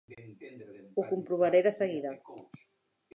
Ho comprovaré de seguida.